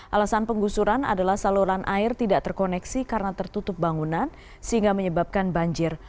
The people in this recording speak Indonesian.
alasan penggusuran adalah saluran air tidak terkoneksi karena tertutup bangunan sehingga menyebabkan banjir